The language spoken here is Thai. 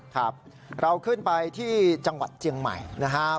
ครับเราขึ้นไปที่จังหวัดเจียงใหม่นะครับ